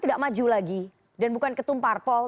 tidak maju lagi dan bukan ketumpar pol